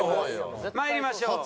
まいりましょう。